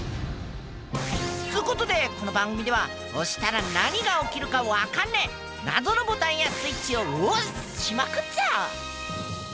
つーことでこの番組では押したら何が起きるか分かんねえ謎のボタンやスイッチを押っすしまくっぞ！